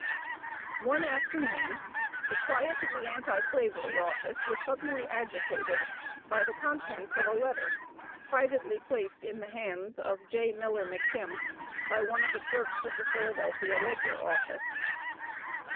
One afternoon, the quiet of the Anti Slavery Office was suddenly agitated by the contents of a letter, privately placed in the hands of J. Miller McKim by one of the clerks of the Philadelphia Ledger office.